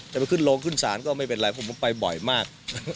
ไปขึ้นโรงขึ้นศาลก็ไม่เป็นไรผมไปบ่อยมาก